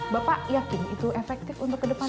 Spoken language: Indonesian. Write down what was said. bapak yakin itu efektif untuk kedepannya